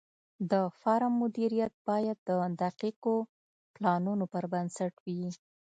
د فارم مدیریت باید د دقیقو پلانونو پر بنسټ وي.